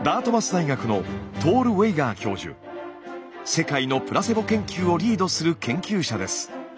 世界のプラセボ研究をリードする研究者です。